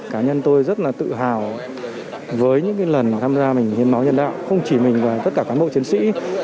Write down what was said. cá nhân tôi rất là tự hào với những lần tham gia mình hiến máu nhân đạo không chỉ mình và tất cả cán bộ chiến sĩ